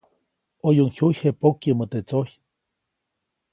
ʼOyuʼuŋ jyuyje pokyäʼmä teʼ tsojy.